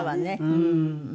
うん。